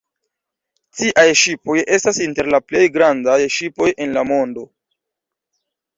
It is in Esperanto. Tiaj ŝipoj estas inter la plej grandaj ŝipoj en la mondo.